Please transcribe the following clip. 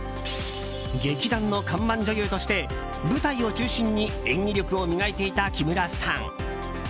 劇団の看板女優として舞台を中心に演技力を磨いていたキムラさん。